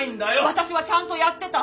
私はちゃんとやってた！